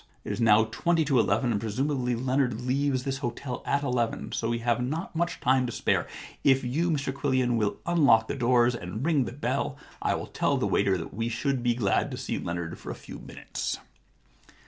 It is now twenty to eleven and presumably Leonard leaves this hotel at eleven ; so we have not much time to spare. If you, Mr Quillian, will unlock the doors and ring the bell, I will tell the waiter that we should be glad to see Leonard for a few minutes.'